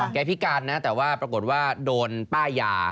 พิการนะแต่ว่าปรากฏว่าโดนป้ายา